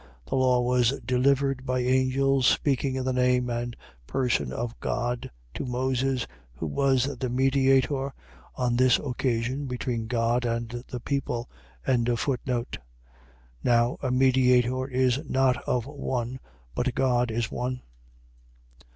. .The law was delivered by angels, speaking in the name and person of God to Moses, who was the mediator, on this occasion, between God and the people. 3:20. Now a mediator is not of one: but God is one.